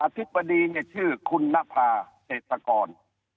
ธิบดีเนี่ยชื่อคุณนภาเศรษฐกร